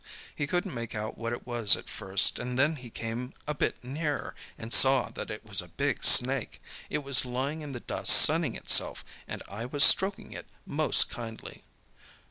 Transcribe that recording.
He couldn't make out what it was at first, and then he came a bit nearer, and saw that it was a big snake. It was lying in the dust sunning itself, and I was stroking it most kindly."